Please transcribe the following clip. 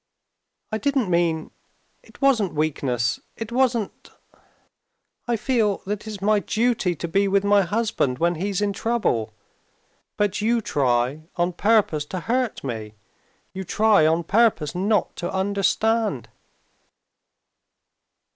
"I didn't mean, it wasn't weakness, it wasn't ... I feel that it's my duty to be with my husband when he's in trouble, but you try on purpose to hurt me, you try on purpose not to understand...."